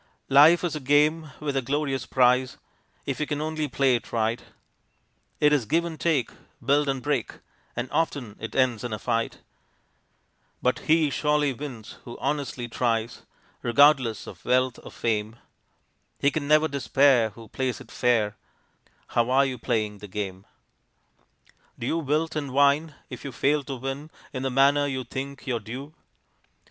Life is a game with a glorious prize, If we can only play it right. It is give and take, build and break, And often it ends in a fight; But he surely wins who honestly tries (Regardless of wealth or fame), He can never despair who plays it fair How are you playing the game? Do you wilt and whine, if you fail to win In the manner you think your due?